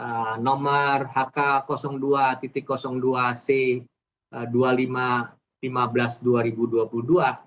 tentang kewaspadaan terhadap penemuan kasus hepatitis akut yang tidak diketahui etiologinya ini